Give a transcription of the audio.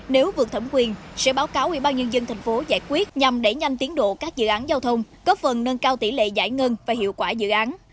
nếu vượt thẩm quyền sẽ báo cáo ubnd tp giải quyết nhằm đẩy nhanh tiến độ các dự án giao thông góp phần nâng cao tỷ lệ giải ngân và hiệu quả dự án